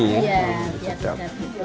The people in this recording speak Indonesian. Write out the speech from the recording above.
iya dia sedap